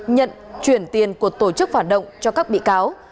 nhận chuyển tiền của tổ chức phản động cho các bị cáo